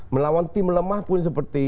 melawan tim lemah pun seperti